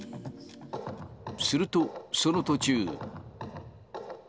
すると、その途中。